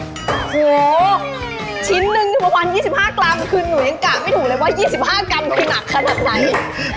คือหนูยังกลากไม่ถึงเลยว่า๒๕กรัมเป็นหนักขนาดไหน